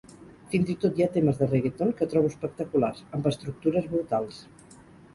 Fins i tot hi ha temes de reggaeton que trobo espectaculars, amb estructures brutals.